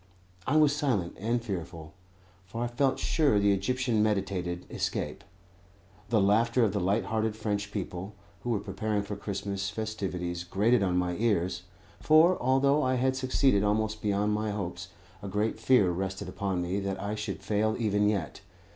I was silent and fearful, for I felt sure the Egyptian meditated escape. The laughter of the light hearted French people, who were preparing for Christmas festivities, grated on my ears; for, although I had succeeded almost beyond my hopes, a great fear rested upon me that I should fail even yet.